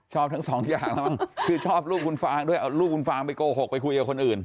ทั้งสองอย่างแล้วมั้งคือชอบลูกคุณฟางด้วยเอาลูกคุณฟางไปโกหกไปคุยกับคนอื่น